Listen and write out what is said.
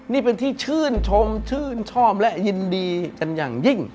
นี่เป็นที่ชื่นชมชื่นชอบและยินดีกันอย่างยิ่ง